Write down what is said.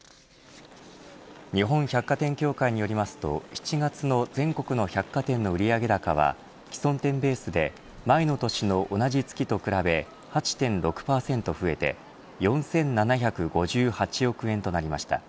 日本百貨店協会によりますと７月の全国の百貨店の売上高は既存店ベースで前の年の同じ月と比べ８．６％増えて４７５８億円となりました。